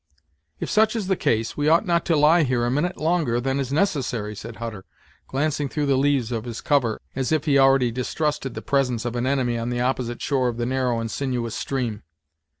"If such is the case, we ought not to lie here a minute longer than is necessary," said Hutter, glancing through the leaves of his cover, as if he already distrusted the presence of an enemy on the opposite shore of the narrow and sinuous stream.